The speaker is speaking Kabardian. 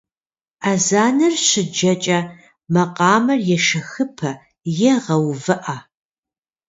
Азэныр щыджэкӏэ макъамэр ешэхыпэ е гъэувыӏэ.